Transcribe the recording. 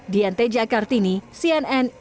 di nt jakartini cnn ibu